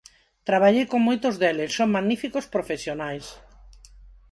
Traballei con moitos deles, son magníficos profesionais.